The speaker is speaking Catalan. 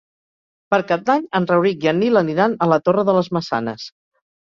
Per Cap d'Any en Rauric i en Nil aniran a la Torre de les Maçanes.